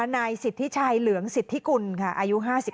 นายสิทธิชัยเหลืองสิทธิกุลค่ะอายุ๕๓